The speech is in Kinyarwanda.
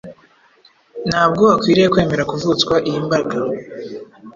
Ntabwo akwiriye kwemera kuvutswa iyi mbaraga.